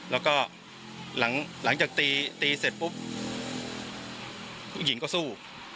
แล้วก็หลังจากตีตีเสร็จปุ๊บผู้หญิงก็สู้